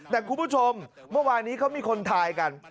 แต่คุณผู้ชมเมื่อวานนี้เขามีคนทายกัน